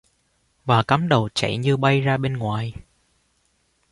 Và cắm đầu chạy như bay ra bên ngoài